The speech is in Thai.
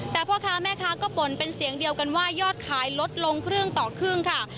แต่พ่อค้าแม่ค้าก็บ่นเป็นเสียงเดียวกันว่ายอดขายลดลงครึ่งต่อครึ่งค่ะ